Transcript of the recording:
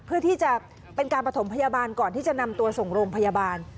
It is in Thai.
เพื่อที่จะเป็นการประถมพยาบาลก่อนที่จะนำตัวส่งโรงพยาบาล